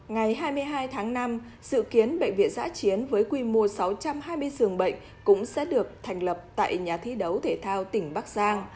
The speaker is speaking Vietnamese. ngày hai mươi hai tháng năm dự kiến bệnh viện giã chiến với quy mô sáu trăm hai mươi giường bệnh cũng sẽ được thành lập tại nhà thi đấu thể thao tỉnh bắc giang